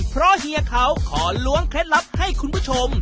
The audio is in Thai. เพราะเฮียเขาขอล้วงเคล็ดลับให้คุณผู้ชม